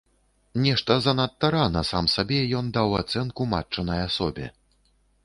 Нешта занадта рана, сам сабе, ён даў ацэнку матчынай асобе.